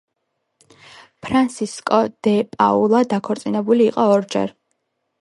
ფრანსისკო დე პაულა დაქორწინებული იყო ორჯერ.